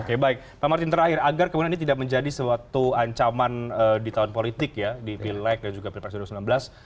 oke baik pak martin terakhir agar kemudian ini tidak menjadi suatu ancaman di tahun politik ya di pileg dan juga pilpres dua ribu sembilan belas